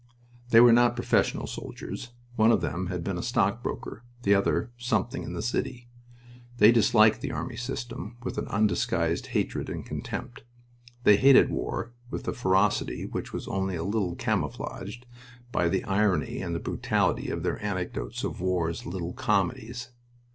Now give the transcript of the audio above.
They were not professional soldiers. One of them had been a stock broker, the other "something in the city." They disliked the army system with an undisguised hatred and contempt. They hated war with a ferocity which was only a little "camouflaged" by the irony and the brutality of their anecdotes of war's little comedies.